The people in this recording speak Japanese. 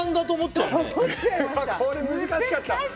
これ難しかった。